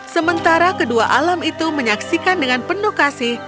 sementara kedua alam itu menyaksikan dengan penuh kasih